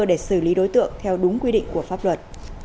để xử lý đối tượng theo đúng quy định của pháp luật